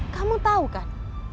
kamu tau kan